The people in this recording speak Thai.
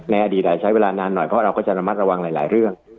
อดีตใช้เวลานานหน่อยเพราะเราก็จะระมัดระวังหลายเรื่อง